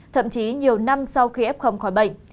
thậm chí nhiều năm sau khi f khỏi bệnh